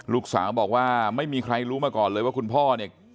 ลูกสาวบอกว่าไม่มีใครรู้มาก่อนเลยว่าคุณพ่อเนี่ย